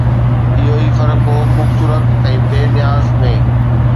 اهو ئي فرق هو خوبصورت ۽ بي نياز ۾